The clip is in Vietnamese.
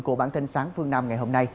của bản tin sáng phương nam ngày hôm nay